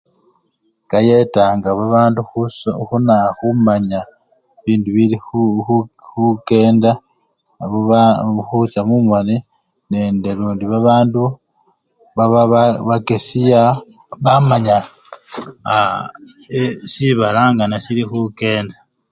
Kayetanga babandu khuso! khunayu! khumanya bibindi bili khu! khu! khukenda o! ba! khucha mumoni nende lundi bandu baba bakesiya bamanya aa! si! sibala nga nesili khukenda.